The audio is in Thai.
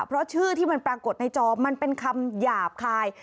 เพราะชื่อที่มันปรากฏในจอมันเป็นคำหยาบคาย